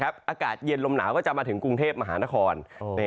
อากาศเย็นลมหนาวก็จะมาถึงกรุงเทพมหานคร